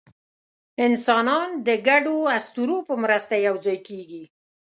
انسانان د ګډو اسطورو په مرسته یوځای کېږي.